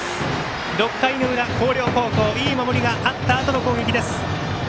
６回の裏、広陵高校いい守りがあったあとの攻撃です。